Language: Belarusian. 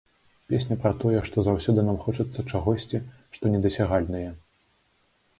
Песня пра тое, што заўсёды нам хочацца чагосьці, што недасягальнае.